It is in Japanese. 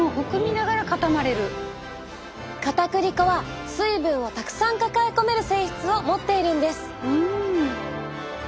かたくり粉は水分をたくさん抱え込める性質を持っているんです。